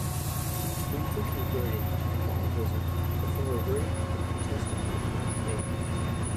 He briefly converted to Catholicism, before reverting to the Protestant Reform faith.